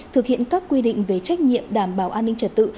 thực hiện các quy định về trách nhiệm đảm bảo an ninh trật tự